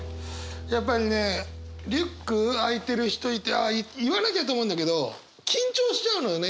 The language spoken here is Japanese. やっぱりねリュック開いてる人いてあっ言わなきゃと思うんだけど緊張しちゃうのよね。